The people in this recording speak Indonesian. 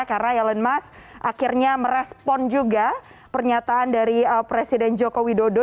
karena elon musk akhirnya merespon juga pernyataan dari presiden joko widodo